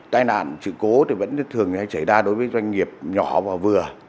tài nạn trực cố vẫn thường xảy ra đối với doanh nghiệp nhỏ và vừa